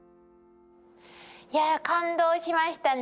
いや感動しましたね。